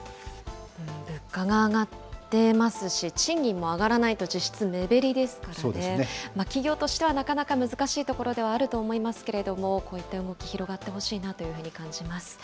物価が上がってますし、賃金も上がらないと実質目減りですからね、企業としてはなかなか難しいところではあると思いますけれども、こういった動き、広がってほしいなというふうに感じます。